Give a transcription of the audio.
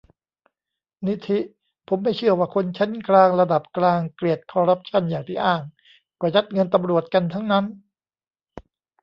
นิธิ : ผมไม่เชื่อว่าคนชั้นกลางระดับกลางเกลียดคอรัปชั่นอย่างที่อ้าง ก็ยัดเงินตำรวจกันทั้งนั้น